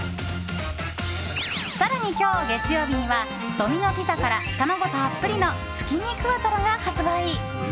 更に今日、月曜日にはドミノ・ピザから卵たっぷりの月見クワトロが発売。